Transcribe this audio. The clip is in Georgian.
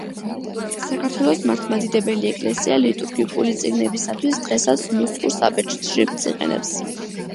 საქართველოს მართლმადიდებელი ეკლესია ლიტურგიკული წიგნებისათვის დღესაც ნუსხურ საბეჭდ შრიფტს იყენებს.